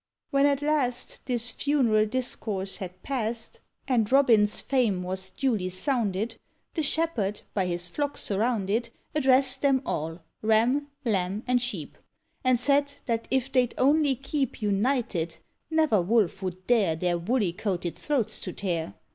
When, at last, This funeral discourse had past, And Robin's fame was duly sounded, The Shepherd, by his flock surrounded, Addressed them all, ram, lamb, and sheep, And said, that if they'd only keep United, never wolf would dare Their woolly coated throats to tear.